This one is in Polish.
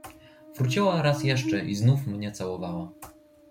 "Wróciła raz jeszcze i znów mnie całowała."